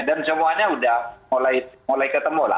dan semuanya sudah mulai ketemu lah